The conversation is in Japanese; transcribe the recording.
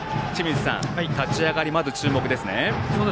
立ち上がり、まず注目ですね。